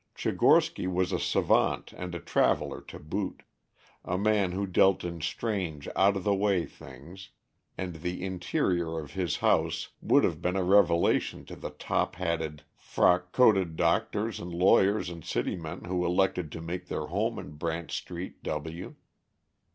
Tchigorsky was a savant and a traveler to boot; a man who dealt in strange out of the way things, and the interior of his house would have been a revelation to the top hatted, frock coated doctors and lawyers and City men who elected to make their home in Brant Street, W.